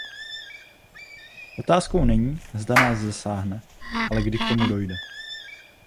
Otázkou není zda nás zasáhne, ale kdy k tomu dojde.